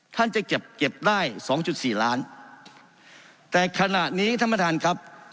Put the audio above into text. ท่านจะเก็บได้๒๔ล้านแต่ขณะนี้ท่านประธานครับ